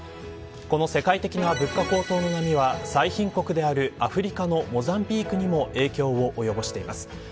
この世界的な物価高騰の波は最貧国であるアフリカのモザンビークにも影響を及ぼしています。